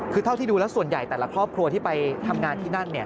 คือเท่าที่ดูแล้วส่วนใหญ่แต่ละครอบครัวที่ไปทำงานที่นั่น